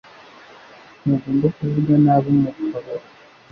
Ntugomba kuvuga nabi umugabo inyuma ye.